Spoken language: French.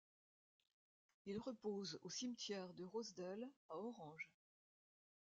Il repose au cimetière de Rosedale à Orange.